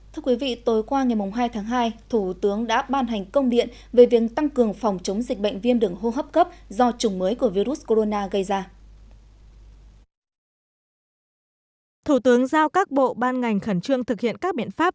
thủ tướng giao các bộ ban ngành khẩn trương thực hiện các biện pháp